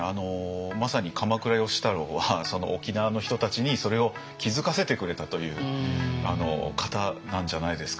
まさに鎌倉芳太郎は沖縄の人たちにそれを気づかせてくれたという方なんじゃないですかね。